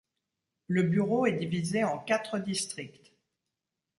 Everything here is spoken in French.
Le bureau est divisé en quatre districts.